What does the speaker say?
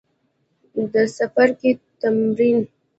د څپرکي تمرین